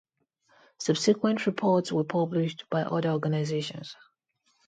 Subsequent reports were published by other organizations.